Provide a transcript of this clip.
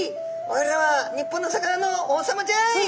おれは日本の魚の王様じゃい！」